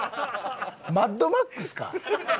『マッドマックス』か。